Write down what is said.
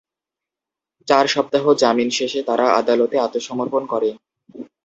চার সপ্তাহ জামিন শেষে তারা আদালতে আত্মসমর্পণ করে।